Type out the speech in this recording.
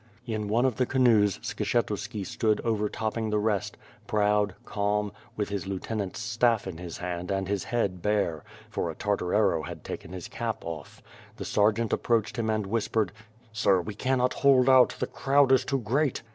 In one of the canoes Skslietuski stood overtopping the rest, proud, calm, with his lieutenant's stafif in his hand and his WITH FIRE AND SWORD. ,25 head bare; for a Tartar arrow had taken his cap off. The sergeant approached him and whispered: "Sir, we cannot hold out; the crowd is too great!'